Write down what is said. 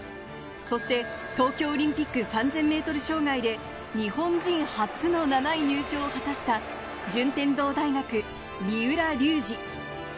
そして東京オリンピック３０００ｍ障害で日本人初の７位入賞を果たした順天堂大学・三浦龍司。